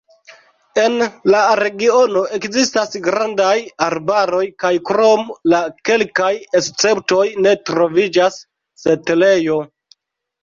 En la regiono ekzistas grandaj arbaroj kaj krom la kelkaj esceptoj ne troviĝas setlejo.